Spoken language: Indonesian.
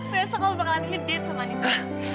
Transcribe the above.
besok kamu bakalan hit date sama anissa